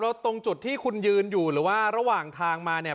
แล้วตรงจุดที่คุณยืนอยู่หรือว่าระหว่างทางมาเนี่ย